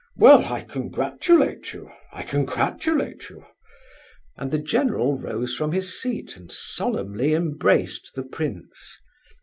"Well, I congratulate you, I congratulate you!" And the general rose from his seat and solemnly embraced the prince.